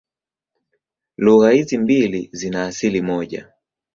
Lugha hizi mbili zina asili moja.